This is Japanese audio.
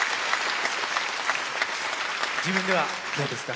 自分ではどうですか？